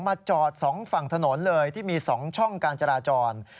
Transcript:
มาจอดสองฝั่งถนนเลยที่มีสองช่องการจราจร